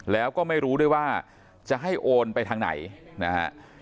แล้วก็ไม่รู้ด้วยว่าจะให้โอนไปทางไหนนะฮะ